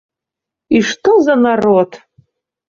І што за народ!